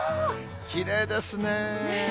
きれいですねぇ。